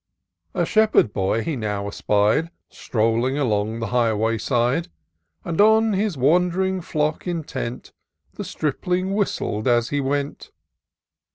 A shepherd boy he now espied, Strolling along the highway side ; And, on his wand'ring flock intent, The stripling whistled as he went.